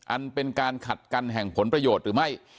อันเป็นการขัดกันแห่งผลประโยชน์หรือไม่